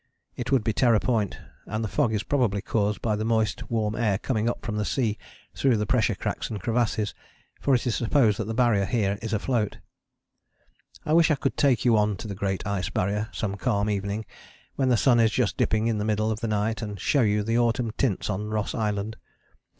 It would be Terror Point, and the fog is probably caused by the moist warm air coming up from the sea through the pressure cracks and crevasses; for it is supposed that the Barrier here is afloat. I wish I could take you on to the great Ice Barrier some calm evening when the sun is just dipping in the middle of the night and show you the autumn tints on Ross Island.